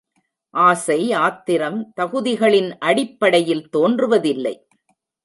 ஆசை ஆத்திரம் தகுதிகளின் அடிப்படையில் தோன்றுவதில்லை.